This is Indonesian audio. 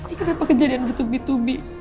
ini kenapa kejadian bertubi tubi